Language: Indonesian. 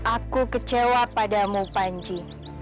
aku kecewa padamu panji